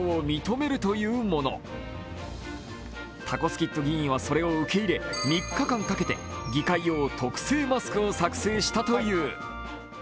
タコスキッド議員はそれを受け入れ、３日間かけて議会用特性マスクを作成したという。